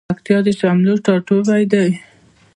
پکتيا د شملو ټاټوبی ده